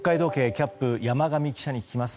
キャップ山上記者に聞きます。